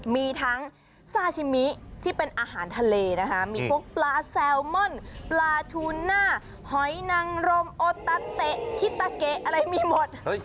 มีทั้งซาชิมิที่เป็นอาหารทะเลนะคะมีพวกปลาแซลมอนปลาทูน่าหอยนังรมโอตาเตะชิตาเกะอะไรมีหมด